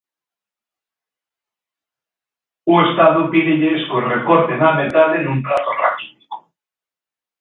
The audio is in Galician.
O Estado pídelles que o recorten á metade nun prazo raquítico.